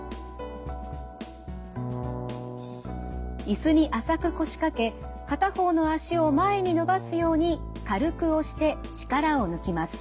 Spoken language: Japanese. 椅子に浅く腰掛け片方の脚を前に伸ばすように軽く押して力を抜きます。